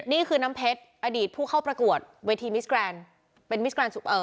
นี่คือน้ำเพชรอดีตผู้เข้าประกวดเวทีมิสแกรนด์เป็นมิสแกรนด์เอ่อ